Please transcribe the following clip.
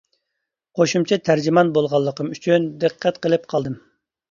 قوشۇمچە تەرجىمان بولغانلىقىم ئۈچۈن دىققەت قىلىپ قالدىم.